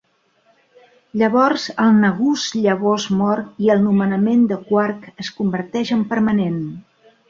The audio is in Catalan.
Llavors el Nagus llavors mor i el nomenament de Quark es converteix en permanent.